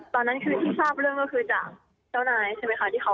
ตอนนั้นคือที่ทราบเรื่องก็คือจากเจ้านายใช่ไหมคะ